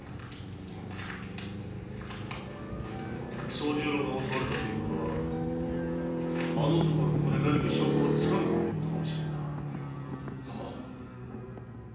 惣十郎が襲われたという事はあの男がここで何か証拠をつかんだという事かもしれん。